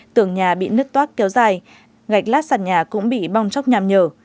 tường nhà bị nứt toát kéo dài gạch lát sạt nhà cũng bị bong chóc nhằm nhờ